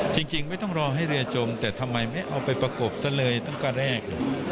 จริงไม่ต้องรอให้เรือจมแต่ทำไมไม่เอาไปประกบซะเลยตั้งแต่แรกเลย